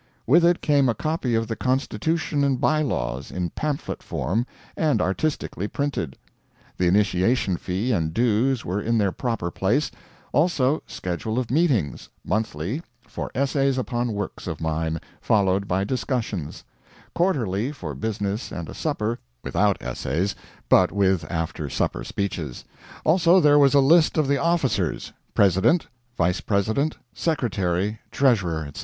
With it came a copy of the Constitution and By Laws, in pamphlet form, and artistically printed. The initiation fee and dues were in their proper place; also, schedule of meetings monthly for essays upon works of mine, followed by discussions; quarterly for business and a supper, without essays, but with after supper speeches; also there was a list of the officers: President, Vice President, Secretary, Treasurer, etc.